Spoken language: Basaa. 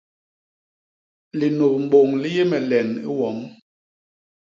Linup mbôñ li yé me len i wom.